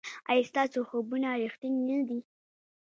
ایا ستاسو خوبونه ریښتیني نه دي؟